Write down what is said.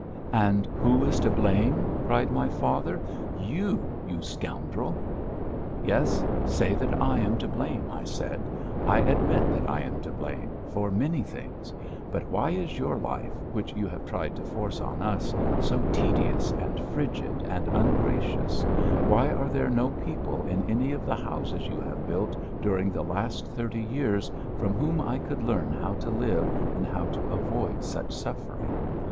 "And who is to blame?" cried my father. "You, you scoundrel!" "Yes. Say that I am to blame," I said. "I admit that I am to blame for many things, but why is your life, which you have tried to force on us, so tedious and frigid, and ungracious, why are there no people in any of the houses you have built during the last thirty years from whom I could learn how to live and how to avoid such suffering?